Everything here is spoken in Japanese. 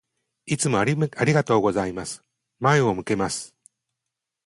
いつもありがとうございます。前を向けます。